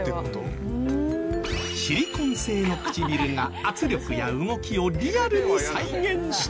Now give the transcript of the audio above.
シリコン製の唇が圧力や動きをリアルに再現してくれる。